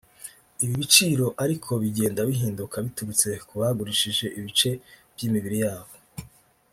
Ibi biciro ariko bigenda bihinduka biturutse ku bagurishije ibice by’imibiri yabo